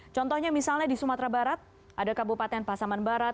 contohnya misalnya di sumatera barat ada kabupaten pasaman barat